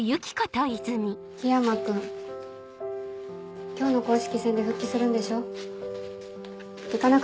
緋山君今日の公式戦で復帰するんでしょ